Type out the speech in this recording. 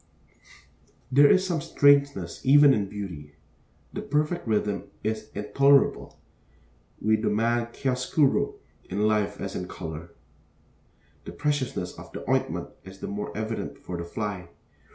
There is 'some strangeness' even 'in beauty.' The perfect rhythm is intolerable. We demand chiaroscuro in life as in color. The preciousness of the ointment is the more evident for the fly.